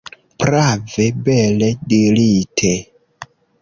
Prave, bele dirite!